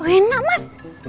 oh enak mas